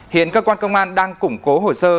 hiện cơ quan công an đang củng cố hồ sơ